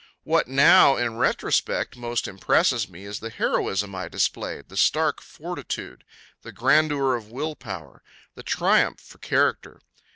What now in retrospect most impresses me is the heroism I displayed, the stark fortitude, the grandeur of will power, the triumph for character.